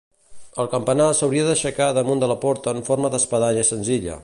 El campanar s'hauria d'aixecar damunt de la porta en forma d'espadanya senzilla.